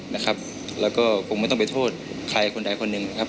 มีการที่จะพยายามติดศิลป์บ่นเจ้าพระงานนะครับ